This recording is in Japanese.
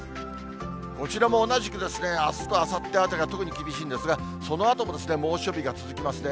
こちらも同じく、あすとあさってあたりが特に厳しいんですが、そのあとも猛暑日が続きますね。